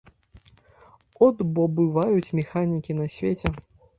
От бо бываюць механікі на свеце!